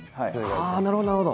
なるほどなるほど。